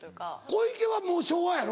小池はもう昭和やろ？